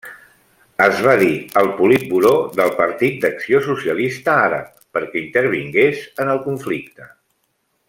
Es va dir al politburó del Partit d'Acció Socialista Àrab perquè intervingués en el conflicte.